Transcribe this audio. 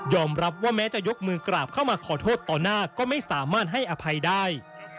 รับว่าแม้จะยกมือกราบเข้ามาขอโทษต่อหน้าก็ไม่สามารถให้อภัยได้